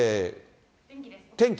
天気。